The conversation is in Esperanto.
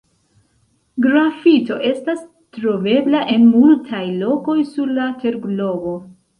Grafito estas trovebla en multaj lokoj sur la terglobo.